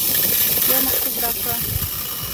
یو مکتوب راکړ.